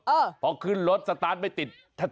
เออพอขึ้นรถสตาร์ทไม่ติด